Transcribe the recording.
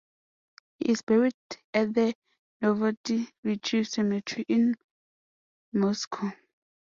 He is buried at the Novodevichy Cemetery in Moscow.